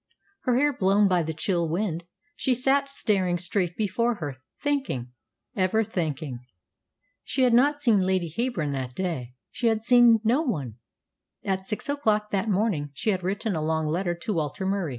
Her hair blown by the chill wind, she sat staring straight before her, thinking ever thinking. She had not seen Lady Heyburn that day. She had seen no one. At six o'clock that morning she had written a long letter to Walter Murie.